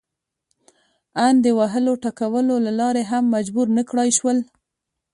ان د وهلو ټکولو له لارې هم مجبور نه کړای شول.